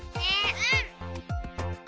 うん！